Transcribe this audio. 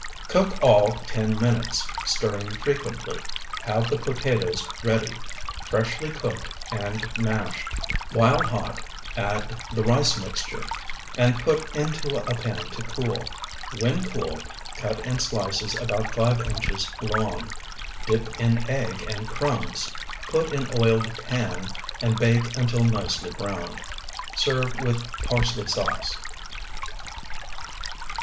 Cook all ten minutes, stirring frequently. Have the potatoes ready, freshly cooked and mashed; while hot add the rice mixture, and put into a pan to cool. When cool, cut in slices about five inches long, dip in egg and crumbs, put in oiled pan, and bake until nicely browned. Serve with parsley sauce.